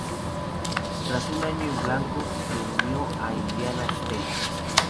Tras un año en blanco, se unió a Indiana State.